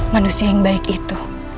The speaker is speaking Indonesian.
manusia yang baik itu